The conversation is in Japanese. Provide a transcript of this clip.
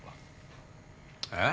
えっ？